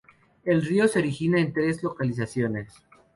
El río se origina en tres localizaciones.